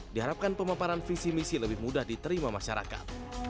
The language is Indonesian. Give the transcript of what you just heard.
diharapkan pemaparan visi misi lebih mudah diterima masyarakat